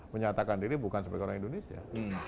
menyatakan diri bukan sebagai orang indonesia